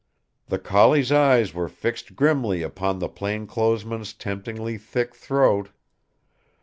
The collie's eyes were fixed grimly upon the plainclothes man's temptingly thick throat.